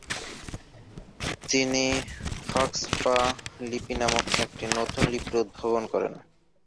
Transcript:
তিনি 'ফাগ্স-পা লিপি নামক এক নতুন লিপির উদ্ভাবন করেন।